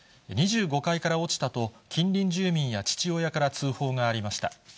２５階から落ちたと近隣住民や父親から通報がありました。